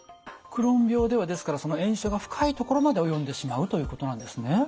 クローン病ではですからその炎症が深い所まで及んでしまうということなんですね。